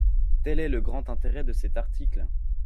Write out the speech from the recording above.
Tel est le grand intérêt de cet article.